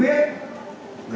toàn dân chúng ta